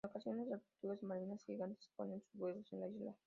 En ocasiones, las tortugas marinas gigantes ponen sus huevos en la isla.